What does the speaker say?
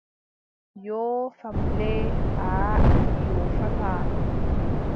Yoofam le aaʼa mi yoofataaa.